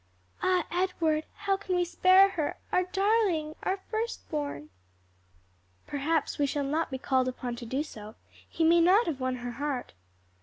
"Ah, Edward, how can we spare her our darling, our first born?" "Perhaps we shall not be called upon to do so; he may not have won her heart."